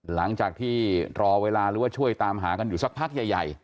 หลังจากที่รอเวลาหรือว่าช่วยตามหากันอยู่สักพักใหญ่